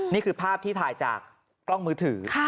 นี่คือภาพที่ถ่ายจากกล้องมือถือ